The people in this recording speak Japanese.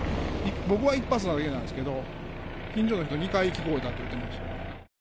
僕は１発だけなんですけど、近所の人、２回聞こえたって言ってました。